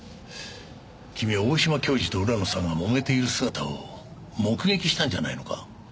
君は大島教授と浦野さんがもめている姿を目撃したんじゃないのか？